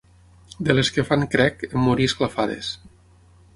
De les que fan crec en morir esclafades.